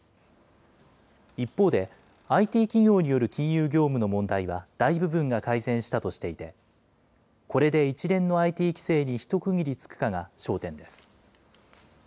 一方で、ＩＴ企業による金融業務の問題は大部分が改善したとしていて、これで一連のＩＴ規制にひと区切りつくかが焦点です。